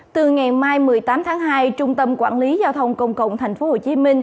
từ ngày mai một mươi tám tháng hai trung tâm quản lý giao thông công cộng tp hcm